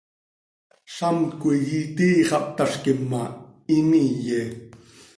Zamt coi itii xah cötazquim ma, him iiye.